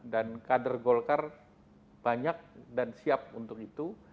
dan kader golkar banyak dan siap untuk itu